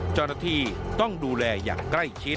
จรภีต้องดูแลอย่างใกล้ชิด